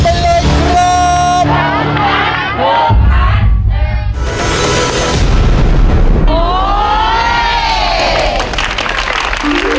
ภายในเวลา๓นาที